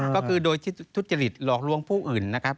ก็คือโดยทุจริตหลอกลวงผู้อื่นนะครับ